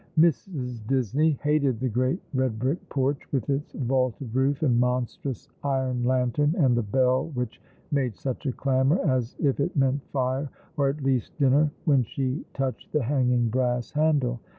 Mrs. Disney hated the great red brick porch, with its vaulted roof and monstrous iron lantern, and the bell which made such a clamour, as if it meant fire, or at least dinner, when she touched the hanging brass handle.